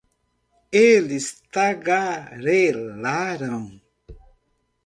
eles tagarelarão